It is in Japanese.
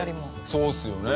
そうですよね。